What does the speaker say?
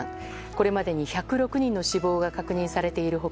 これまでに１０６人の死亡が確認されている他